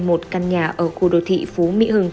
một căn nhà ở khu đô thị phú mỹ hưng